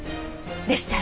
でしたら。